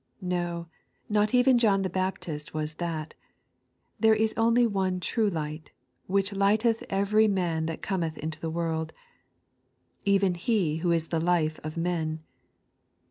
No, not even John the Baptist was that; there is only one true Light, "which lighteth every man that cometh into the world," even He who is the Life of men.